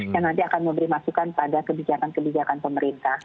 yang nanti akan memberi masukan pada kebijakan kebijakan pemerintah